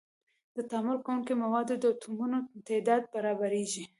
د تعامل کوونکو موادو د اتومونو تعداد برابریږي.